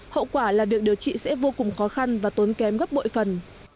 hậu quả là việc điều trị sẽ vô cùng khó khăn và tốn kém gấp bội phần